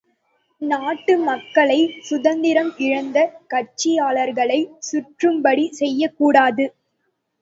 நாட்டுமக்களை, சுதந்திரம் இழந்து கட்சியாளர்களைச் சுற்றும்படி செய்யக்கூடாது.